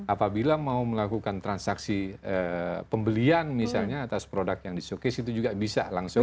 apabila mau melakukan transaksi pembelian misalnya atas produk yang di showcase itu juga bisa langsung